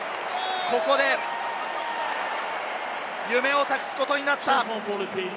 ここで夢を託すことになった！